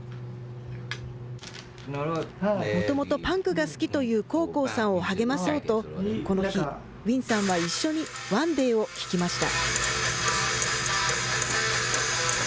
もともとパンクが好きというコウコウさんを励まそうと、この日、ウィンさんは一緒にＯＮＥＤＡＹを聴きました。